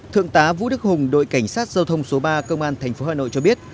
thượng tá vũ đức hùng đội cảnh sát giao thông số ba công an tp hà nội cho biết